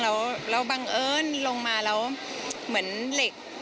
แล้วบังเอิญลงมาแล้วเหมือนเหล็ก